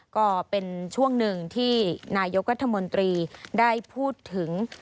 ก็เป็นช่วงหนึ่งที่นายกรัฐมนตรีได้พูดถึง